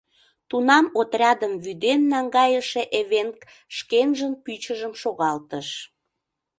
Тунам отрядым вӱден наҥгайыше эвенк шкенжын пӱчыжым шогалтыш.